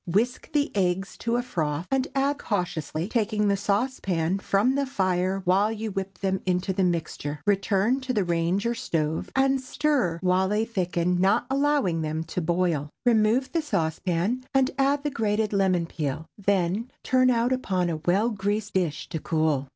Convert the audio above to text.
Whisk the eggs to a froth, and add cautiously, taking the saucepan from the fire while you whip them into the mixture. Return to the range or stove, and stir while they thicken, not allowing them to boil. Remove the saucepan, and add the grated lemon peel; then turn out upon a well greased dish to cool.